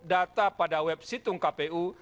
data pada web situng kpu